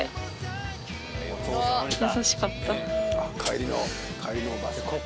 優しかった。